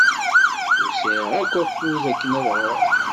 Ur sɛiɣ akk akud akken ad ɣreɣ.